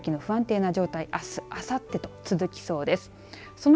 大気の不安定な状態あす、あさってと続きそうです。